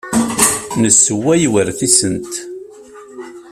Nessewway war tisent.